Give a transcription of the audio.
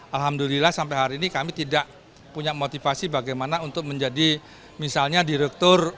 alhamdulillah sampai hari ini kami tidak punya motivasi bagaimana untuk menjadi misalnya direktur